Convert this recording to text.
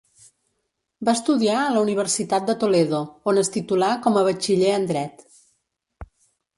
Va estudiar a la universitat de Toledo, on es titulà com a batxiller en Dret.